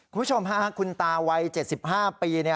คุณผู้ชมค่ะคุณตาวัย๗๕ปี